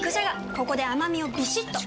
ここで甘みをビシッと！